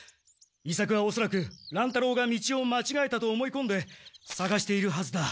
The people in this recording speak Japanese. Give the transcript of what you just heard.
伊作はおそらく乱太郎が道をまちがえたと思いこんでさがしているはずだ。